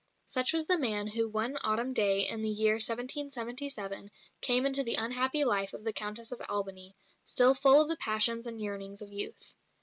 Such was the man who one autumn day in the year 1777 came into the unhappy life of the Countess of Albany, still full of the passions and yearnings of youth.